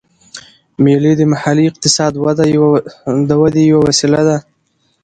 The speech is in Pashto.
مېلې د محلي اقتصاد وده یوه وسیله ده.